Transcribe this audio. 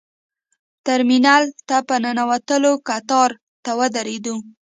ترمینل ته په ننوتلو کتار ته ودرېدو.